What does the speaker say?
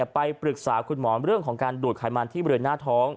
ไปปรึกษาคุณหมอเรื่องของการดูดไขมันที่บริเวณหน้าท้อง